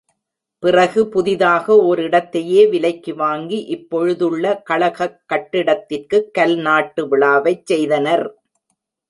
பிறகு புதிதாக ஓர் இடத்தையே விலைக்கு வாங்கி, இப் பொழுதுள்ள கழகக் கட்டிடத்திற்குக் கல் நாட்டு விழாவைச் செய்தனர்.